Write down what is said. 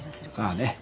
さあね。